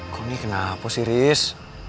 kok ini kenapa sih riz